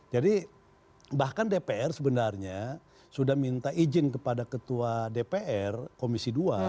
jadi bahkan dpr sebenarnya sudah minta izin kepada ketua dpr komisi dua